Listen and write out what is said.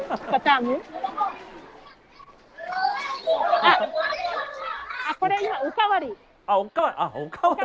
あっおかわり。